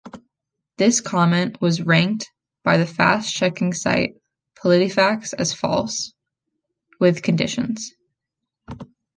This comment was ranked by fact-checking site PolitiFact as false, with conditions.